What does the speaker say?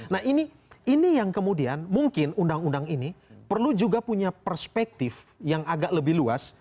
nah ini yang kemudian mungkin undang undang ini perlu juga punya perspektif yang agak lebih luas